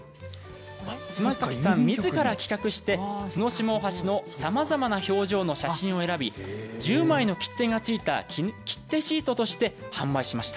妻崎さんみずからが企画して角島大橋のさまざまな表情の写真を選び１０枚の切手がついた切手シートとして販売しました。